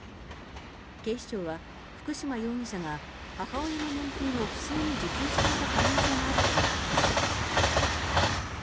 警視庁は福島容疑者が母親の年金を不正に受給していた可能性もあるとみています。